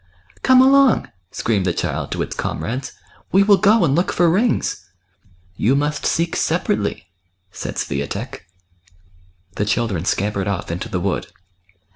" Come along !" screamed the child to its comrades ;" we will go and look for rings." " You must seek separately," said Swiatek. The children scampered off into the wood.